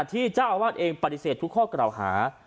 ที่ระวัติเองปฏิเสธทุกข้อกระเหล่าหา